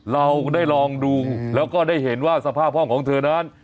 เราได้ลองดูแล้วก็ได้เห็นว่าสภาพห้องของเธอนั้น